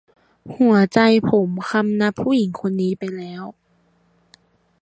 หัวใจผมคำนับผู้หญิงคนนี้ไปแล้ว